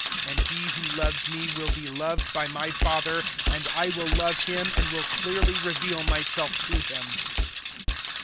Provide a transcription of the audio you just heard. And he who loves me will be loved by my Father, and I will love him and will clearly reveal myself to him."